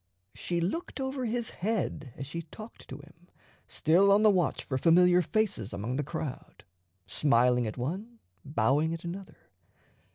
She looked over his head as she talked to him, still on the watch for familiar faces among the crowd, smiling at one, bowing at another.